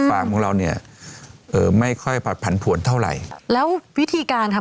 ของเราเนี่ยเอ่อไม่ค่อยผัดผันผ่วนเท่าไรแล้ววิธีการค่ะ